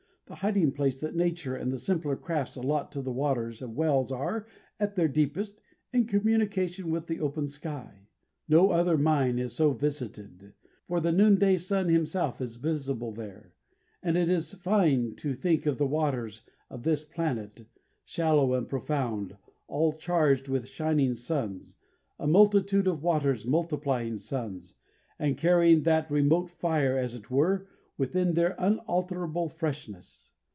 The hiding place that nature and the simpler crafts allot to the waters of wells are, at their deepest, in communication with the open sky. No other mine is so visited; for the noonday sun himself is visible there; and it is fine to think of the waters of this planet, shallow and profound, all charged with shining suns, a multitude of waters multiplying suns, and carrying that remote fire, as it were, within their unalterable freshness.